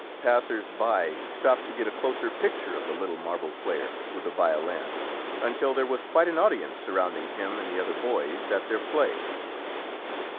Passers by stopped to get a closer picture of the little marble player with the violin until there was quite an audience surround ing him and the other boys at their play.